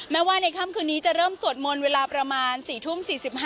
ว่าในค่ำคืนนี้จะเริ่มสวดมนต์เวลาประมาณ๔ทุ่ม๔๕